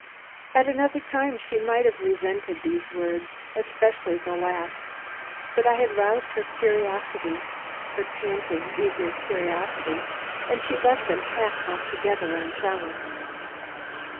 At another time she might have resented these words, especially the last; but I had roused her curiosity, her panting eager curiosity, and she let them pass altogether unchallenged.